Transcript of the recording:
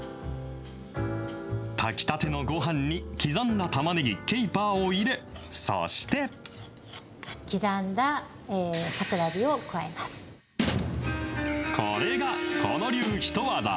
炊き立てのごはんに、刻んだたまねぎ、ケイパーを入れ、そして。これが狐野流ヒトワザ。